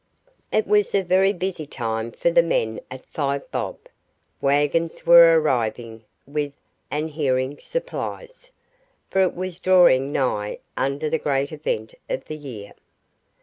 It was a very busy time for the men at Five Bob. Waggons were arriving with shearing supplies, for it was drawing nigh unto the great event of the year.